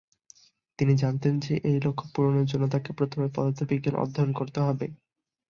তিনি জানতেন যে এই লক্ষ্য পূরণের জন্য তাকে প্রথমে পদার্থবিজ্ঞান অধ্যয়ন করতে হবে।